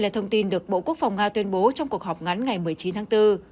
thông tin được bộ quốc phòng nga tuyên bố trong cuộc họp ngắn ngày một mươi chín tháng bốn